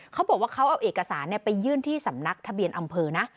เขาบอกว่าเขาเอาเอกสารไปยื่นที่สำนักทะเบียนอำเภอนะ